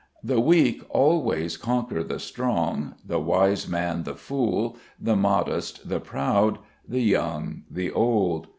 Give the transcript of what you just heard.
The weak always conquer the strong, the wise man the fool, the modest the proud, the young the old.